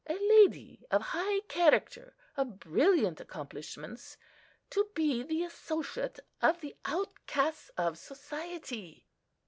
A lady of high character, of brilliant accomplishments, to be the associate of the outcasts of society!"